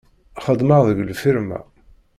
Xeddmeɣ deg lfirma.